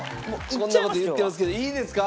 こんな事言ってますけどいいですか？